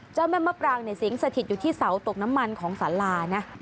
เจ้าแม่มะปรางเนี่ยสิงสถิตอยู่ที่เสาตกน้ำมันของสารานะ